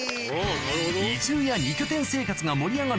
移住や二拠点生活が盛り上がる